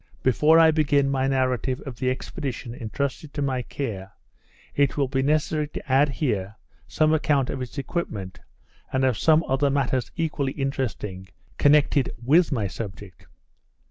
Before I begin my narrative of the expedition entrusted to my care, it will be necessary to add here some account of its equipment, and of some other matters equally interesting, connected with my subject.